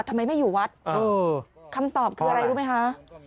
ทำไมไม่อยู่วัดคำตอบคืออะไรรู้ไหมคะ